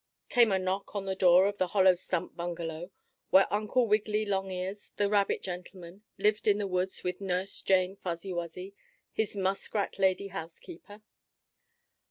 came a knock on the door of the hollow stump bungalow, where Uncle Wiggily Longears, the rabbit gentleman, lived in the woods with Nurse Jane Fuzzy Wuzzy, his muskrat lady housekeeper.